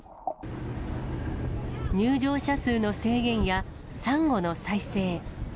入場者数の制限やサンゴの再生。